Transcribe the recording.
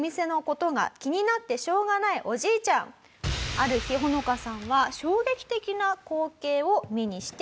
ある日ホノカさんは衝撃的な光景を目にしてしまいます。